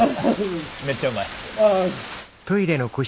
めっちゃうまい。